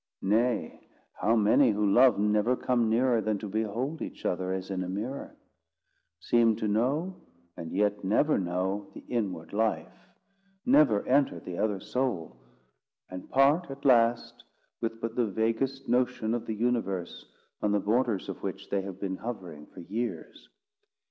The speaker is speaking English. Nay, how many who love never come nearer than to behold each other as in a mirror; seem to know and yet never know the inward life; never enter the other soul; and part at last, with but the vaguest notion of the universe on the borders of which they have been hovering for years?